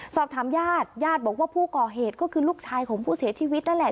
สอบถามญาติญาติบอกว่าผู้ก่อเหตุก็คือลูกชายของผู้เสียชีวิตนั่นแหละ